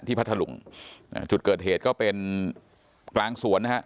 ที่พรรถลุงนะจุดเกิดเหตุก็เป็นกลางสวนหรือฮะ